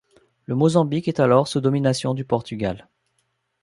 Le Mozambique est alors sous domination du Portugal.